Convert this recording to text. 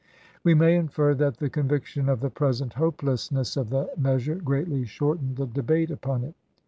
We may infer that the conviction of the present hopelessness of the measure greatly shortened the debate upon it.